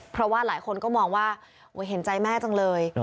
เพราะว่าหลายคนก็มองว่าเห็นใจแม่จังเลย